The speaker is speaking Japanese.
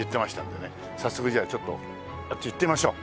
早速じゃあちょっとあっち行ってみましょう。